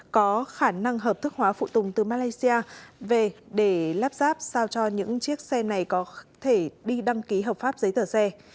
có khả năng hợp thức hóa phụ tùng từ malaysia về để lắp ráp sao cho những chiếc xe này có thể đi đăng ký hợp pháp giấy tờ xe